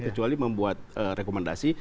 kecuali membuat rekomendasi